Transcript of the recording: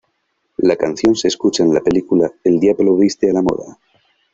La canción se escucha en la película El diablo viste a la moda.